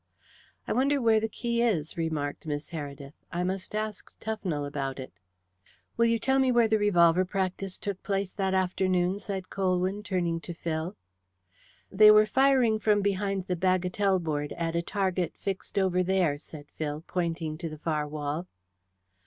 "I wonder where the key is?" remarked Miss Heredith. "I must ask Tufnell about it." "Will you tell me where the revolver practice took place that afternoon?" said Colwyn, turning to Phil. "They were firing from behind the bagatelle board at a target fixed over there," said Phil, pointing to the far wall.